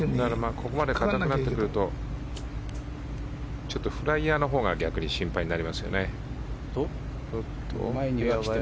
ここまで硬くなってくるとちょっとフライヤーのほうが逆に心配になりますよね。